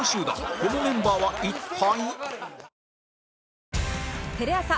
このメンバーは一体？